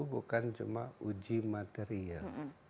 bukan cuma uji material